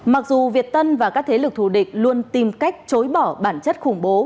mặc dù việt tân và các thế lực thù địch luôn tìm cách chối bỏ bản chất khủng bố